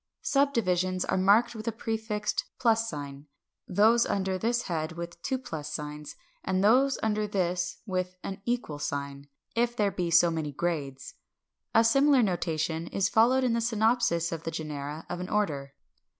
Subdivisions are marked with a prefixed +; those under this head with ++; and those under this with =, if there be so many grades. A similar notation is followed in the synopsis of the genera of an order.